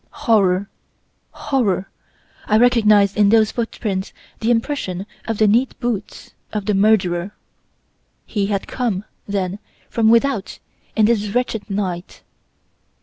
Horror! Horror! I recognised in those footprints the impression of the neat boots of the murderer! He had come, then, from without in this wretched night.